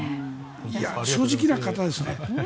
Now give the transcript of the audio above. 正直な方ですね。